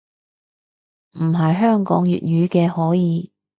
唔係香港粵語嘅可以